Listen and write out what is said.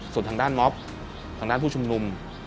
ส่วนทางด้านม็อบทางด้านผู้ชุมนุม